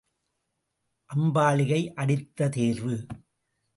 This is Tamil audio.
அம்பாலிகை அடுத்த தேர்வு.